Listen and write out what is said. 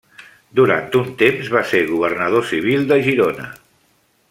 Durant un temps va ser governador civil de Girona.